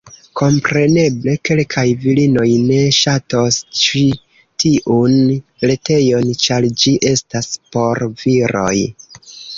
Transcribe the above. Kompreneble, kelkaj virinoj ne ŝatos ĉi tiun retejon, ĉar ĝi estas por viroj.